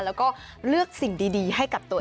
แล้วก็เลือกสิ่งดีให้กับตัวเอง